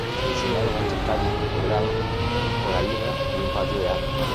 Se diseñaron anchas calles de grava coralina y un patio de armas.